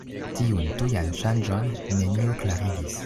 Tiun tujan ŝanĝon nenio klarigis.